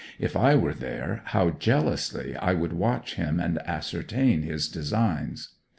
If I were there, how jealously I would watch him, and ascertain his designs!